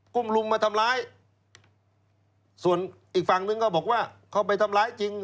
กลุ่มลุงมาทำร้ายส่วนอีกฝั่งนึงก็บอกว่าเขาไปทำร้ายจริง